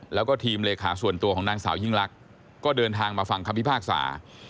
แล้วก็ทีมเลขาส่วนตัวของนางสาวยิ่งลักษณ์ก็เดินทางมาฟังคำพิพากษา